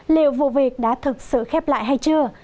liệu vụ việc đã thực sự khép lại hay chưa